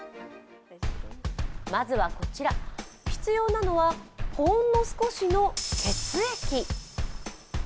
まずはこちら、必要なのはほんの少しの血液。